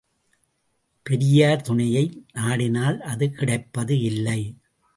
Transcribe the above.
பெரியார் துணையை நாடினால் அது கிடைப்பது இல்லை.